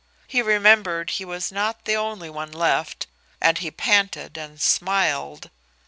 He remembered he was not the only one left, and he panted and smiled.